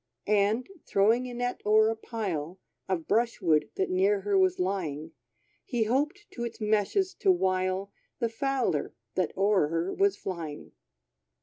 And, throwing a net o'er a pile Of brush wood that near her was lying, He hoped to its meshes to wile The fowler, that o'er her was flying.